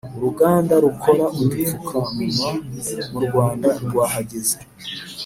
Uruganda rukora udupfuka munwa murwanda rwahageze